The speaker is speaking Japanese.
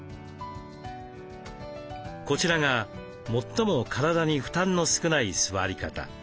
こちらが最も体に負担の少ない座り方。